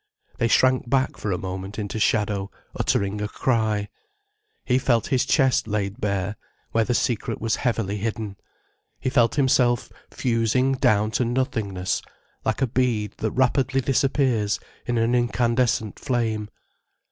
They shrank back for a moment into shadow, uttering a cry. He felt his chest laid bare, where the secret was heavily hidden. He felt himself fusing down to nothingness, like a bead that rapidly disappears in an incandescent flame.